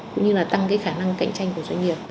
cũng như là tăng cái khả năng cạnh tranh của doanh nghiệp